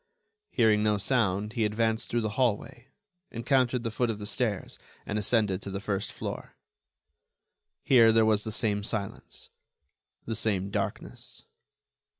Hearing no sound, he advanced through the hallway, encountered the foot of the stairs, and ascended to the first floor. Here there was the same silence, the same darkness.